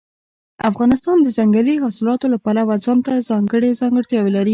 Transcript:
افغانستان د ځنګلي حاصلاتو له پلوه ځانته ځانګړې ځانګړتیاوې لري.